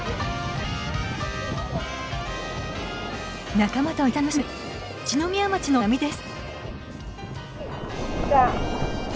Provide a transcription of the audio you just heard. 仲間と一緒に楽しむ一宮町の波です。